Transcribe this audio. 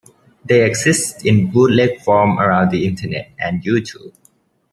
They exist in bootleg form around the internet and YouTube.